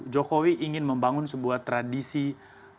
jokowi ingin membangun sebuah tradisi yang